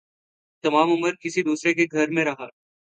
تمام عمر کسی دوسرے کے گھر میں رہا